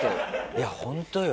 いやホントよ。